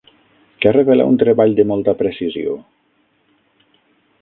Què revela un treball de molta precisió?